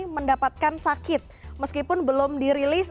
mendapatkan sakit meskipun belum dirilis